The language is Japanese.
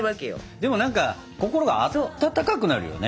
でも何か心が温かくなるよね。